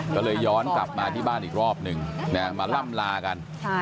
ก็เลยย้อนกลับมาที่บ้านอีกรอบนึงมาล่ำลากัน